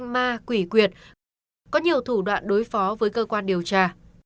ma quỷ quyệt có nhiều thủ đoạn đối phó với cơ quan điều tra